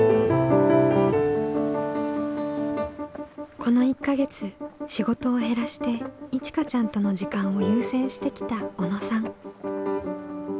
この１か月仕事を減らしていちかちゃんとの時間を優先してきた小野さん。